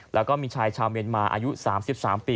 แล้วก็มีชายชาวเมียนมาอายุ๓๓ปี